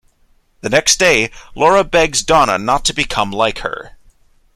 The next day, Laura begs Donna not to become like her.